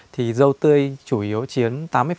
thì dâu tây chủ yếu chiến tám mươi